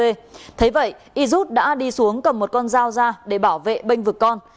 thấy vậy y rút đã đi xuống cầm một con dao ra để bảo vệ bênh vực con thể vậy y rút đã đi xuống cầm một con dao ra để bảo vệ bênh vực con